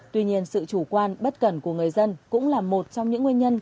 tuy nhiên sự chủ quan bất cẩn của người dân cũng là một trong những nguyên nhân